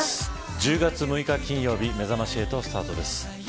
１０月６日金曜日めざまし８スタートです。